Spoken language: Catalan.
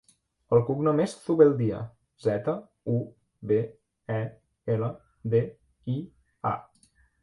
El cognom és Zubeldia: zeta, u, be, e, ela, de, i, a.